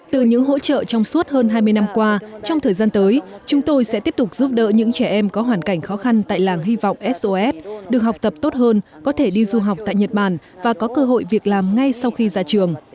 từ những hỗ trợ trong suốt hơn hai mươi năm qua trong thời gian tới chúng tôi sẽ tiếp tục giúp đỡ những trẻ em có hoàn cảnh khó khăn tại làng hy vọng sos được học tập tốt hơn có thể đi du học tại nhật bản và có cơ hội việc làm ngay sau khi ra trường